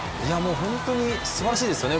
本当にすばらしいですよね